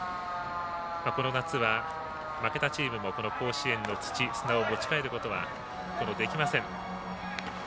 この夏は、負けたチームも甲子園の砂を持ち帰ることはできません。